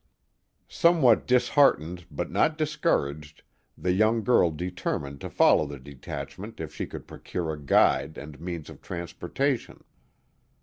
Somewhat disheartened but not discouraged, the young girl determined to follow the detachment if she could procure a guide and means of transportation.